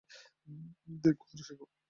দ্যাখো আর শেখো।